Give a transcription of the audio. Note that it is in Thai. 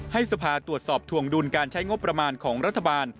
ให้สภาตรวจสอบถวงดุลการใช้งบประมาณของรัฐบาล